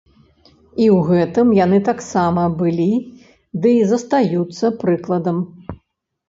І ў гэтым яны таксама былі дый застаюцца прыкладам.